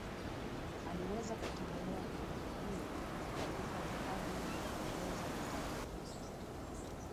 Aliweza kutembelea hifadhi hiyo na kuandika vitabu vinavyoelezea hifadhi hiyo